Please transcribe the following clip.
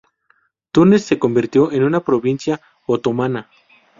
Túnez se convirtió en una provincia otomana.